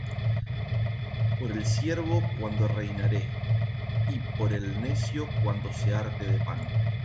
Por el siervo cuando reinare; Y por el necio cuando se hartare de pan;